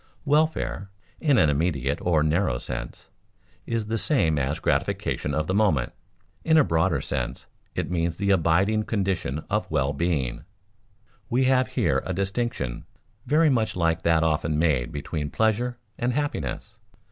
Welfare, in an immediate or narrow sense, is the same as gratification of the moment; in a broader sense, it means the abiding condition of well being. We have here a distinction very much like that often made between pleasure and happiness.